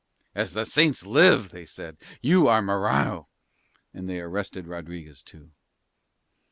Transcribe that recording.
"As the saints live," they said, "you are Morano." And they arrested Rodriguez too.